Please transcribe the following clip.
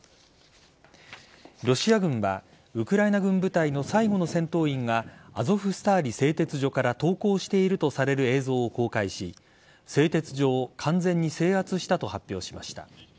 ロシア軍はウクライナ軍部隊の最後の戦闘員がアゾフスターリ製鉄所から投降しているとされる映像を公開し製鉄所を完全に制圧したと発表しました。